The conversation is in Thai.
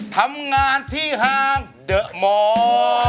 ทำงานที่ห้างเดอมัว